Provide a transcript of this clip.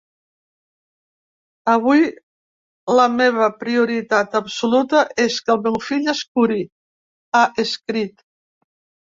“Avui la meva prioritat absoluta és que el meu fill es curi”, ha escrit.